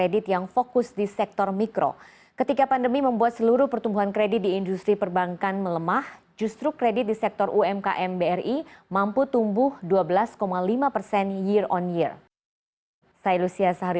demikian pak terima kasih